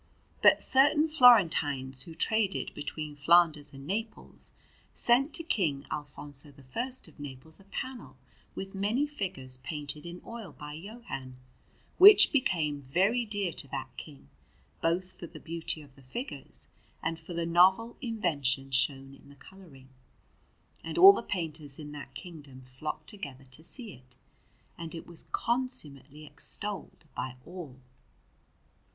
But certain Florentines, who traded between Flanders and Naples, sent to King Alfonso I of Naples a panel with many figures painted in oil by Johann, which became very dear to that King both for the beauty of the figures and for the novel invention shown in the colouring; and all the painters in that kingdom flocked together to see it, and it was consummately extolled by all.